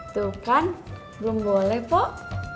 tuh kan belum boleh kok